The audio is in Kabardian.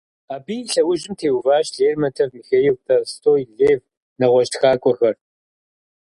Абы и лъэужьым теуващ Лермонтов Михаил, Толстой Лев, нэгъуэщӏ тхакӏуэхэр.